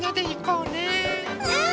うん！